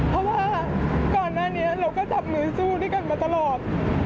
เพราะว่าก่อนหน้านี้เราก็จับมือสู้ด้วยกันมาตลอด